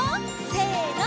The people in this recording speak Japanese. せの！